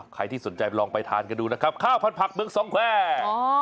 ใครที่สนใจลองไปทานกันดูนะครับข้าวพันผักเมืองสองแควร์